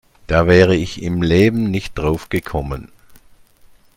Da wäre ich im Leben nicht drauf gekommen.